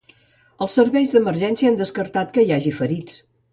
Els serveis d’emergència han descartat que hi hagi ferits.